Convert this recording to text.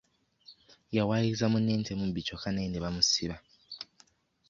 Yawaayiriza munne nti mubbi kyokka naye ne bamusiba.